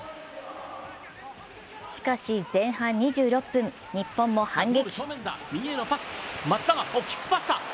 しかし前半２６分、日本も反撃。